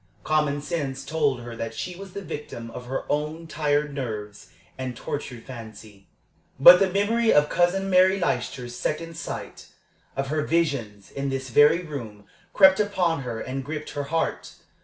Common sense told her that she was the victim of her own tired nerves and tortured fancy. But the memory of Cousin Mary Leicester's second sight, of her "visions" in this very room, crept upon her and gripped her heart.